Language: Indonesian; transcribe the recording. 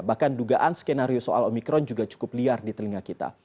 bahkan dugaan skenario soal omikron juga cukup liar di telinga kita